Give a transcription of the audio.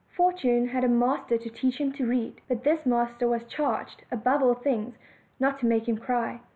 Fortune had a master to teach him to read; but this master was charged, above all things, not to make him cry.